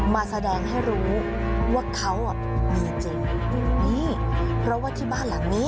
มาแสดงให้รู้ว่าเขาอ่ะเมียจริงนี่เพราะว่าที่บ้านหลังนี้